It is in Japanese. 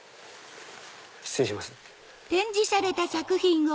失礼します。